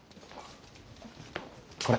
これ。